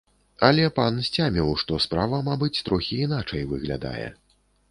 Але пан сцяміў, што справа, мабыць, трохі іначай выглядае.